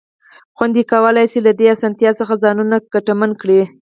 خویندې کولای شي له دې اسانتیا څخه ځانونه ګټمن کړي.